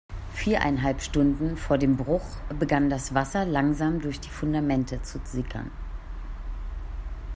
Viereinhalb Stunden vor dem Bruch begann das Wasser langsam durch die Fundamente zu sickern.